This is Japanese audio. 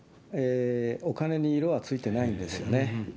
お金に色はついてないんですよね。